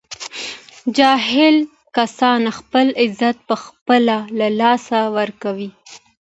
جاهل کسان خپل عزت په خپله له لاسه ور کوي